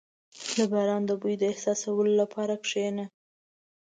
• د باران د بوی احساسولو لپاره کښېنه.